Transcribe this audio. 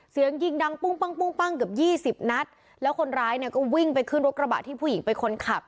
เสียงยิงดังปุ้งปั้งปุ้งปั้งเกือบยี่สิบนัดแล้วคนร้ายเนี่ยก็วิ่งไปขึ้นรถกระบะที่ผู้หญิงเป็นคนขับ